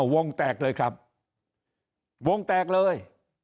วงแตกเลยครับวงแตกเลย